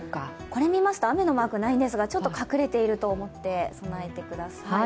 これを見ますと雨のマークがないんですが、隠れていると思って備えてください。